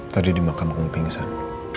tadi di makam agung pingsan